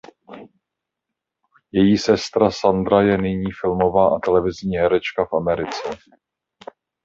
Její sestra Sandra je nyní filmová a televizní herečka v Americe.